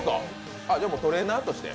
トレーナーとして？